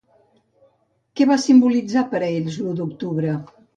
Què va simbolitzar per ells l'U d'octubre?